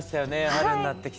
春になってきて。